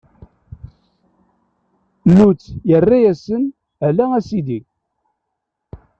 Luṭ irra-yasen: Ala, a Sidi!